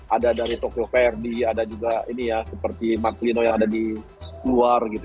ada dari tokyo verde ada juga ini ya seperti marklino yang ada di luar gitu